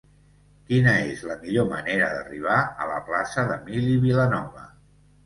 Quina és la millor manera d'arribar a la plaça d'Emili Vilanova?